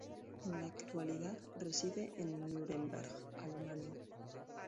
En la actualidad reside en Nuremberg, Alemania.